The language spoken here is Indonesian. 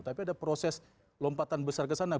tapi ada proses lompatan besar ke sana